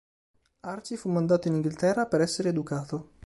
Archie fu mandato in Inghilterra per essere educato.